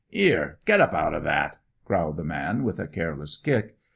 "'Ere, get up outa that!" growled the man, with a careless kick.